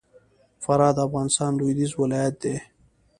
فراه د افغانستان لوېدیځ ولایت دی